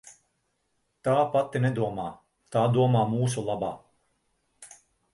Tā pati nedomā, tā domā mūsu labā.